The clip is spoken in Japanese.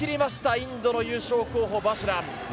インドの優勝候補、バジュラン。